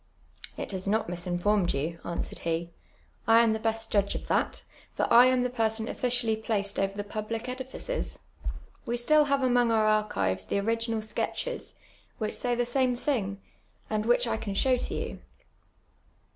" It has not misinformed you," answered he ;I am the best judp' of that ; for I am the* person officially ])laced over the j)iil)lie ediliees. AVe still have amon^ our iirchivefl tlie oriu:inal sketches, which say the same thinj;, and which I can show to you."